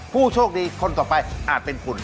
ผู้โชคดีคนต่อไปอาจเป็นคุณ